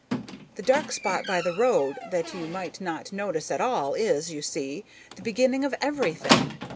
The dark spot by the road that you might not notice at all is, you see, the beginning of everything.